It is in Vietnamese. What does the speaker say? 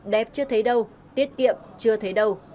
đẹp chưa thấy đâu tiết kiệm chưa thấy đâu